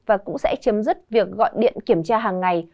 và cũng sẽ chấm dứt việc gọi điện kiểm tra hàng ngày